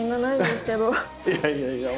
いやいやいやもう。